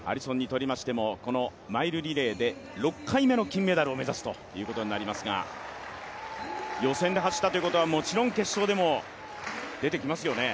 このマイルリレーで６回目の金メダルを目指すということになりますが予選で走ったということはもちろん決勝でも出てきますよね？